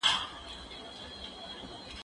زه پرون د زده کړو تمرين کوم؟